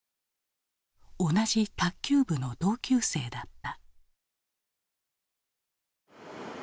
同じ卓球部の同級生だった。